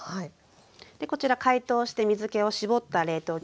でこちら解凍して水けを絞った冷凍きゅうりですね。